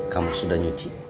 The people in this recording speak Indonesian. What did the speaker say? kamu sudah nyuci